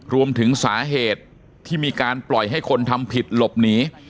รวมถึงสาเหตุที่มีการปล่อยให้คนทำผิดหลบหนี